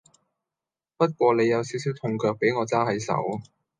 不過你有少少痛腳比我揸係手